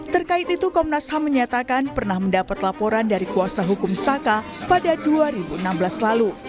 terkait itu komnas ham menyatakan pernah mendapat laporan dari kuasa hukum saka pada dua ribu enam belas lalu